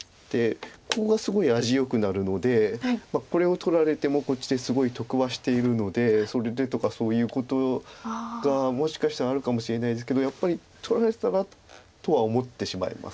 ここがすごい味よくなるのでこれを取られてもこっちですごい得はしているのでそれでとかそういうことがもしかしたらあるかもしれないですけどやっぱり取られたらとは思ってしまいます。